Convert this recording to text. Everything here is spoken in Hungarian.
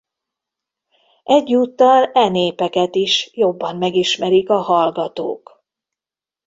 Egyúttal e népeket is jobban megismerik a hallgatók.